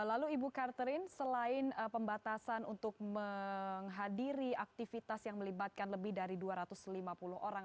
lalu ibu carterin selain pembatasan untuk menghadiri aktivitas yang melibatkan lebih dari dua ratus lima puluh orang